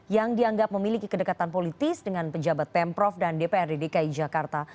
yang dianggap memiliki kedekatan politis dengan pejabat pemprov dan dprd dki jakarta